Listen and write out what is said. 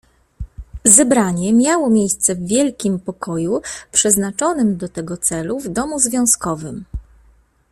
"Zebranie miało miejsce w wielkim pokoju, przeznaczonym do tego celu w Domu Związkowym."